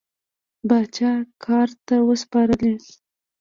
پاچا ګارد ته وسپارلې.